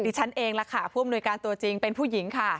ฉันเองล่ะค่ะผู้อำนวยการตัวจริงเป็นผู้หญิงค่ะ